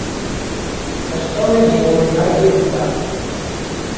Persone di nome Margherita